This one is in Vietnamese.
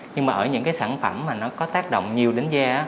nhưng mà ở những sản phẩm có tác động nhiều đến da